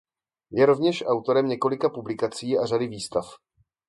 Je rovněž autorem několika publikací a řady výstav.